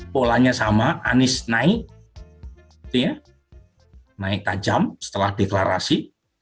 polanya sama anies naik tajam setelah deklarasi